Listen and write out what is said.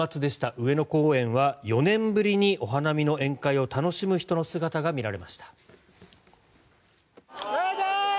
上野公園は４年ぶりにお花見の宴会を楽しむ人の姿が見られました。